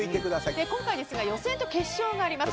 今回、予選と決勝があります。